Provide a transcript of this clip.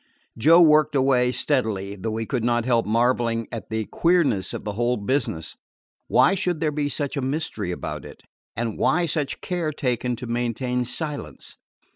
Joe worked away steadily, though he could not help marveling at the queerness of the whole business. Why should there be such a mystery about it? and why such care taken to maintain silence?